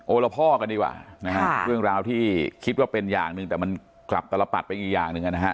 โอระพ่อกันดีว่าเรื่องราวที่คิดว่าเป็นอย่างนึงแต่มันกลับตลาดไป๑กาค